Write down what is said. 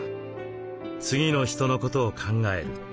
次の人のことを考える。